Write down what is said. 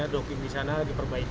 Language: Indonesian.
dokim di sana lagi perbaikan